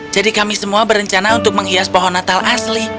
jadi kami semua berencana untuk menghias pohon natal asli